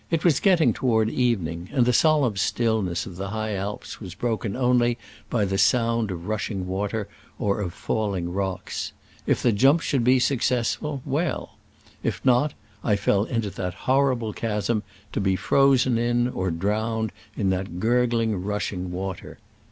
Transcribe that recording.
It was getting toward evening, and the solemn stillness of the High Alps was broken only by the sound of rush ing water or of falling rocks. If the jump should be successful, well : if not, I fell into that horrible chasm, to be frozen in, or drowned in that gurgling, rushing water.